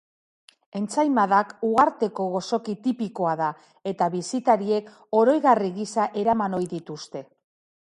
Entsaimadak uharteko gozoki tipikoa da eta bisitariek oroigarri gisa eraman ohi dituzte.